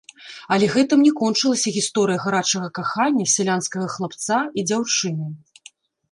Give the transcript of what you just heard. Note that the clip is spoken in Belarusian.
Але гэтым не кончылася гісторыя гарачага кахання сялянскага хлапца і дзяўчыны.